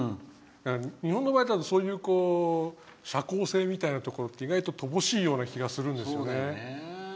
日本の場合、そういう社交性みたいなところって意外と乏しいような気がするんですよね。